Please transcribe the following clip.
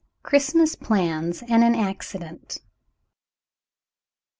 CHRISTMAS PLANS AND AN ACCIDENT.